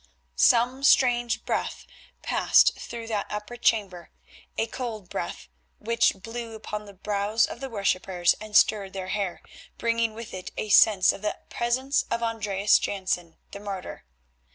Some strange breath passed through that upper chamber, a cold breath which blew upon the brows of the worshippers and stirred their hair, bringing with it a sense of the presence of Andreas Jansen, the martyr.